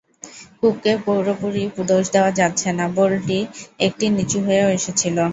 কুককে পুরোপুরি দোষ দেওয়া যাচ্ছে না, বলটি একটু নিচু হয়েই এসেছিল।